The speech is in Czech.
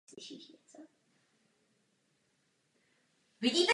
Udělali jsme dobrou práci.